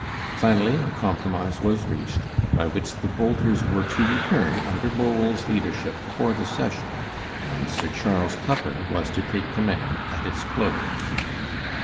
Finally a compromise was reached by which the bolters were to return under Bowell's leadership for the session and Sir Charles Tupper was to take command at its close.